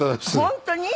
本当に？